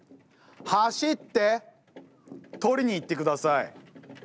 走って取りに行って下さい。